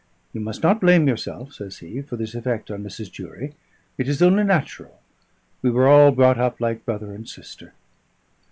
"You must not blame yourself," says he, "for this effect on Mrs. Durie. It is only natural; we were all brought up like brother and sister."